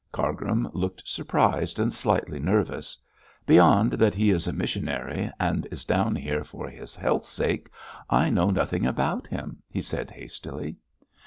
Cargrim looked surprised and slightly nervous. 'Beyond that he is a missionary, and is down here for his health's sake, I know nothing about him,' he said hastily.